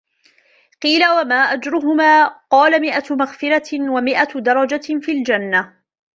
قِيلَ وَمَا أَجْرُهُمَا ؟ قَالَ مِائَةُ مَغْفِرَةٍ وَمِائَةُ دَرَجَةٍ فِي الْجَنَّةِ